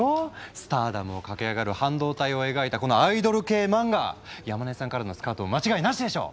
スターダムを駆け上がる半導体を描いたこのアイドル系漫画山根さんからのスカウトも間違いなしでしょう。